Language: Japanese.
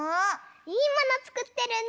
いいものつくってるの！